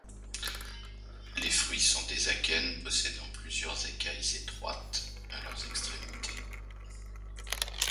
Les fruits sont des akènes possédants plusieurs écailles étroites à leur extrémité.